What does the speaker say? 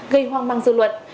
gây hoang mang dư luận